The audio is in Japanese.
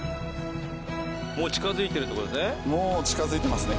もう近づいているってことですね